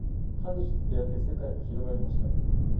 彼女と出会って世界が広がりました